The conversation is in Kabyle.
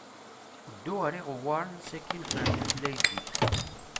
Ddu ar iɣewwaṛn sakin fren tutlayt-ik.